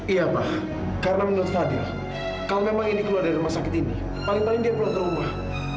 iya pak karena menurut fadil kalau memang ini keluar dari rumah sakit ini paling paling dia pulang ke rumah